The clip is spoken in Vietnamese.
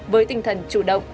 với tinh thần chủ động